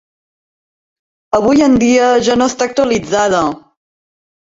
Avui en dia ja no està actualitzada.